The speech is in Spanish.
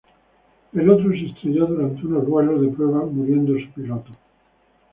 El otro se estrelló durante unos vuelos de prueba, muriendo su piloto.